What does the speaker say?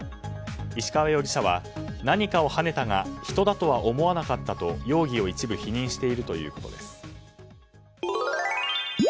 石川容疑者は何かをはねたが人だとは思わなかったと容疑を一部否認しているということです。